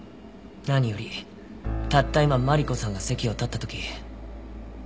何よりたった今マリコさんが席を立った時。